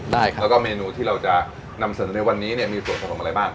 ได้ครับแล้วก็เมนูที่เราจะนำเสนอในวันนี้เนี่ยมีส่วนผสมอะไรบ้าง